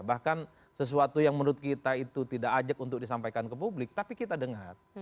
bahkan sesuatu yang menurut kita itu tidak ajak untuk disampaikan ke publik tapi kita dengar